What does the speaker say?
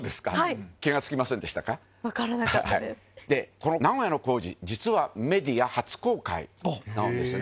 この名古屋の工事造メディア初公開なんですよね。